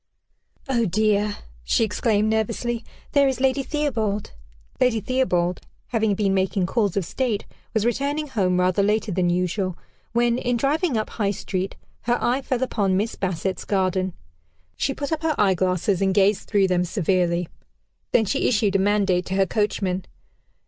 "Oh, dear!" she exclaimed nervously, "there is Lady Theobald." Lady Theobald, having been making calls of state, was returning home rather later than usual, when, in driving up High Street, her eye fell upon Miss Bassett's garden. She put up her eyeglasses, and gazed through them severely; then she issued a mandate to her coachman.